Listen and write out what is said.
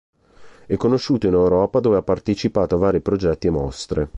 È conosciuto in Europa dove ha partecipato a vari progetti e mostre.